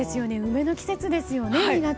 梅の季節ですよね。